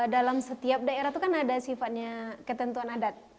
dalam setiap daerah itu kan ada sifatnya ketentuan adat